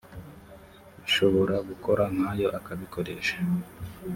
bishobora gukora nkayo akabikoresha